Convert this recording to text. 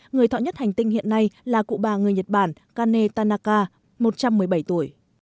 người thọ nhất hành tinh hiện nay là cụ bà người nhật bản kane tanaka một trăm một mươi bảy tuổi